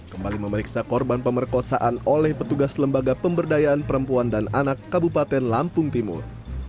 kembali memeriksa korban pemerkosaan oleh petugas lembaga pemberdayaan perempuan dan anak kabupaten lampung timur